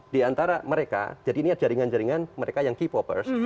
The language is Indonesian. di antara mereka jadi ini jaringan jaringan mereka yang k popers